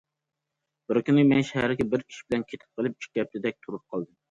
بىر كۈنى مەن شەھەرگە بىر ئىش بىلەن كېتىپ قېلىپ، ئىككى ھەپتىدەك تۇرۇپ قالدىم.